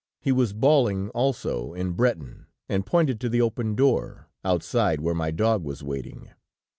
He was bawling also, in Breton, and pointed to the open door, outside where my dog was waiting.